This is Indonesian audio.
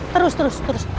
terus terus terus